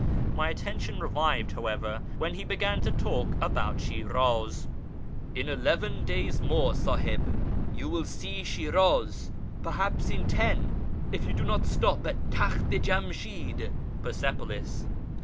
My attention revived, however, when he began to talk about Shirdz. " In eleven days more, Sahib, you will see Shi'raz: perhaps in ten, if you do not stop at Taklit i JamsMd (Persepolis).